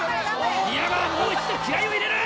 宮川もう一度気合を入れる。